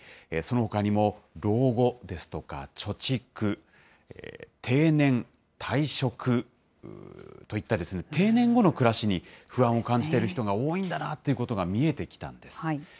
そのほかにも、老後ですとか貯蓄、定年、退職といった、定年後の暮らしに不安を感じている人が多いんだなということが見えてきたんです。